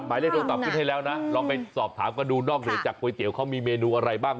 หมายถึงถามสิโต๊ะคุณให้แล้วนะลองไปสอบถามดูนอกเหลือจากก๋วยเตี๋ยวเค้ามีเมนูอะไรบ้าง